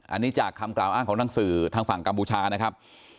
อันนี้จากคำกล่าวอ้างของหนังสือทางฝั่งกัมพูชานะครับ